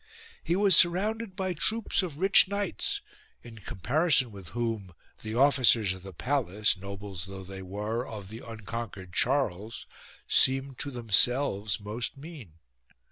He was surrounded by troops of rich knights, in com 85 THE BISHOP'S BANQUET parison with whom the officers of the palace (nobles though they were) of the unconquered Charles seemed to themselves most mean.